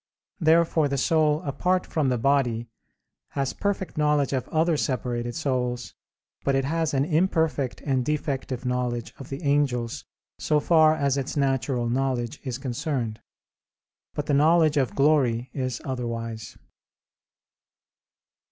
Therefore the soul apart from the body has perfect knowledge of other separated souls, but it has an imperfect and defective knowledge of the angels so far as its natural knowledge is concerned. But the knowledge of glory is otherwise.